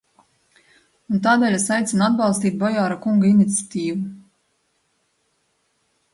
Un tādēļ es aicinu atbalstīt Bojāra kunga iniciatīvu.